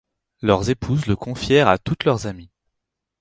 Leurs épouses le confièrent à toutes leurs amies.